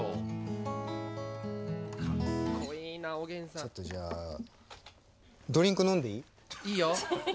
ちょっとじゃあドリンク飲んでいい？いいよ。